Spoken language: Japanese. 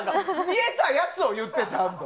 見えたやつを言って、ちゃんと。